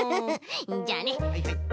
じゃあね。